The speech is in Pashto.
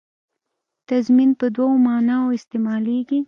تضمین په دوو معناوو استعمالېږي.